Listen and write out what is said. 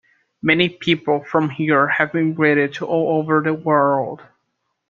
Many people from here have emigrated to all over the world.